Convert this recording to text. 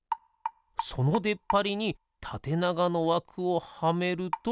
そのでっぱりにたてながのわくをはめると。